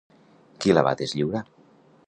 Qui la va deslliurar?